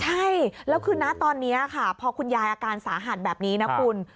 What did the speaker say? ใช่แล้วคือนะตอนนี้ค่ะพอคุณยายอาการสาหัสแบบนี้นะคุณ